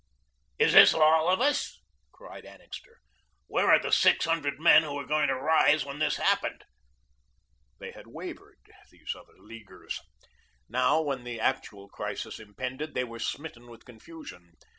Is this all of us?" cried Annixter. "Where are the six hundred men who were going to rise when this happened?" They had wavered, these other Leaguers. Now, when the actual crisis impended, they were smitten with confusion.